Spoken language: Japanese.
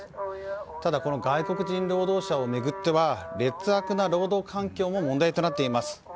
ただこの外国人労働者を巡っては劣悪な労働環境も問題となっています。